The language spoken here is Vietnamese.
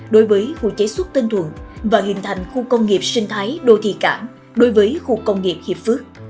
đối với khu chế xuất tên thuận và hình thành khu công nghiệp sinh thái đô thị cảng đối với khu công nghiệp hiệp phước